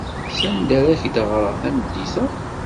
Sanda ara ak-d-ɣreɣ tameddit-a?